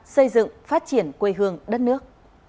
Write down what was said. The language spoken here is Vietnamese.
xây dựng phát triển quê hương đất nước